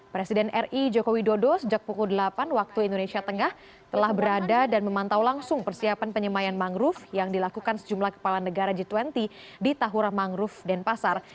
presiden ri joko widodo sejak pukul delapan waktu indonesia tengah telah berada dan memantau langsung persiapan penyemayan mangrove yang dilakukan sejumlah kepala negara g dua puluh di tahura mangrove denpasar